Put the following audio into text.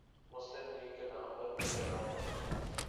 مسلم لیگ کے نام پر کھلے عام دھوکہ ۔